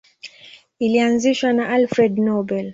Ilianzishwa na Alfred Nobel.